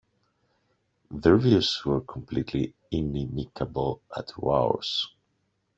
Their views were completely inimicable to ours.